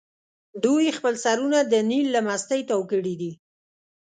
دوی خپل سرونه د نیل له مستۍ تاو کړي دي.